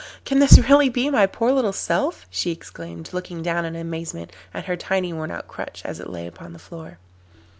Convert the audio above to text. can this really be my poor little self?' she exclaimed, looking down in amazement at her tiny worn out crutch as it lay upon the floor.